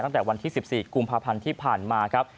ตั้งแต่วันที่๑๔กุมภาพันธ์ที่ผ่านมาครับ